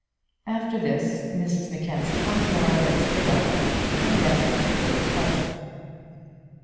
After this Mrs Mackenzie once more embraced her daughter, and then took her departure.